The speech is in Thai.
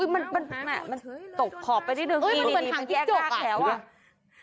มันตกขอบไปนิดนึง